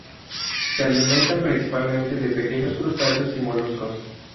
Se alimentan principalmente de pequeños crustáceos y moluscos.